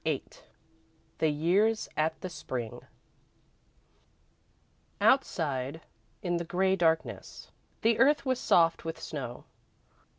VIII "THE YEAR'S AT THE SPRING" Outside, in the grey darkness, the earth was soft with snow.